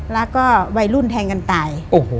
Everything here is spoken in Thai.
แล้วก็วัยรุ่นแทงกันตาย